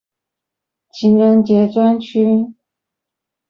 情人節專區